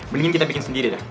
mendingin kita bikin sendiri dah